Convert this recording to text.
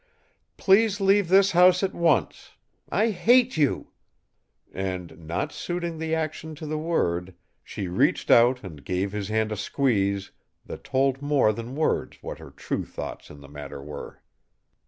"Please leave this house at once I hate you!" And, not suiting the action to the word, she reached out and gave his hand a squeeze that told more than words what her true thoughts in the matter were.